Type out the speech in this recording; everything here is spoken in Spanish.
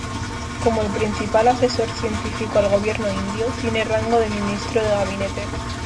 Como el principal asesor científico al gobierno indio, tiene rango de Ministro de Gabinete.